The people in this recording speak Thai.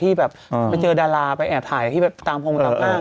ที่แบบไปเจอดาราไปแอบถ่ายที่แบบตามพงตามอ้าง